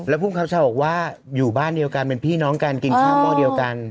ภูมิครับชาวบอกว่าอยู่บ้านเดียวกันเป็นพี่น้องกันกินข้าวหม้อเดียวกัน